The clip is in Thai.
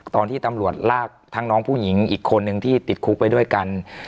ตอนที่ตำรวจลากทั้งน้องผู้หญิงอีกคนนึงที่ติดคุกไปด้วยกัน